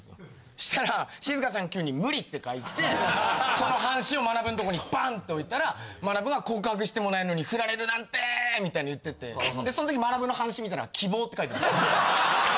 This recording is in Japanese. そしたらしずかちゃん急に。って書いてその半紙をまなぶんとこにバンって置いたらまなぶが告白してもないのに振られるなんて！みたいに言っててそのとき。って書いてあった。